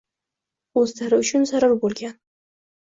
O‘zlari uchun zarur bo‘lgan.